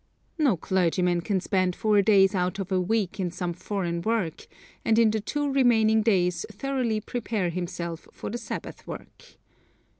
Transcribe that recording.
No clergyman can spend four days out of a week in some foreign work, and in the two remaining days thoroughly prepare himself for the Sabbath work.